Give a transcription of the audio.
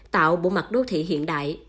tạo bộ mặt đô thị hiện đại